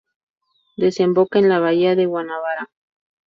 Desemboca en la bahía de Guanabara.